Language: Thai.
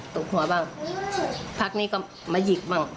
ตบหัวบ้างพักนี้ก็มาหยิกบ้าง